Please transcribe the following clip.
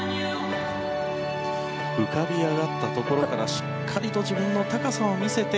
浮かび上がったところからしっかり自分の高さを見せて。